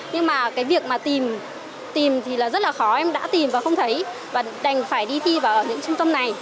nhưng mà cái việc mà tìm thì là rất là khó em đã tìm và không thấy và đành phải đi thi vào ở những trung tâm này